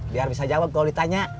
biar bisa jawab kalau ditanya